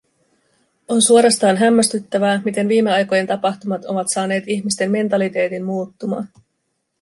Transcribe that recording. On suorastaan hämmästyttävää, miten viimeaikojen tapahtumat ovat saaneet ihmisten mentaliteetin muuttumaan.